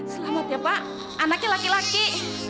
selamat ya pak anaknya laki laki